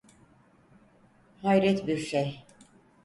Hayret bir şey!